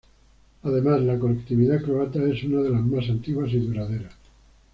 Además, la colectividad croata es una de las más antiguas y duraderas.